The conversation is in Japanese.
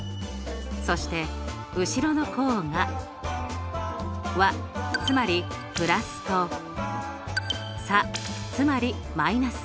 そして後ろの項が和つまり＋と差つまり−。